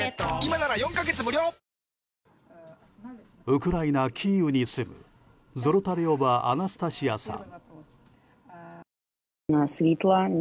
ウクライナ・キーウに住むゾロタリョーヴァ・アナスタシアさん。